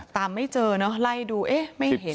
ไม่เจอเนอะไล่ดูเอ๊ะไม่เห็น